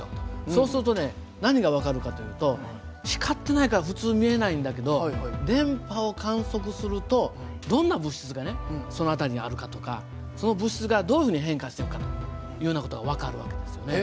そうするとね何が分かるかというと光ってないから普通見えないんだけど電波を観測するとどんな物質がその辺りにあるかとかその物質がどう変化していくかというような事が分かる訳ですよね。